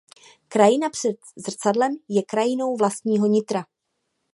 Krajina před zrcadlem je krajinou vlastního nitra.